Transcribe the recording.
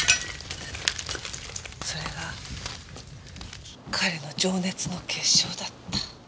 それが彼の情熱の結晶だった。